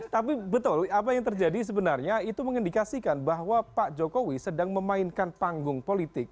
tapi betul apa yang terjadi sebenarnya itu mengindikasikan bahwa pak jokowi sedang memainkan panggung politik